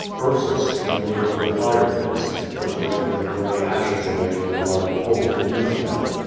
Ursus, bending over the fireplace, was raking the gray ashes away from the live coals beneath them.